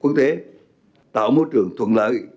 quân thế tạo môi trường thuận lợi